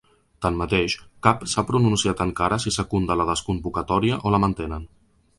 Tanmateix, cap s’ha pronunciat encara si secunda la desconvocatòria o la mantenen.